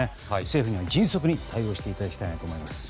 政府には迅速に対応をしていただきたいなと思います。